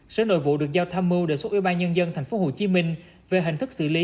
sở nội vụ được giao tham mưu đề xuất ủy ban nhân dân tp hcm về hình thức xử lý